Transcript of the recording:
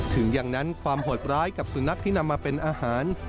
ถึงอย่างนั้นความโหดร้ายกับสุนัขที่นำมาเป็นอาหาร